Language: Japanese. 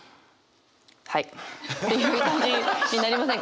「はい」っていう感じになりませんか？